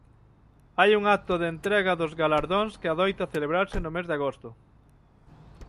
Hai un acto de entrega dos galardóns que adoita celebrarse no mes de agosto.